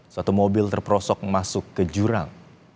satu mobil terprosok masuk ke jurang